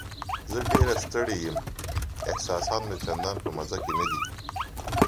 زه ډېره ستړې یم، احساسات مې چندان په مزه کې نه دي.